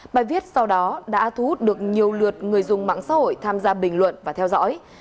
bài viết sau đó đã thu hút được nhiều lượt người dùng mạng xã hội tham gia bình luận và theo dõi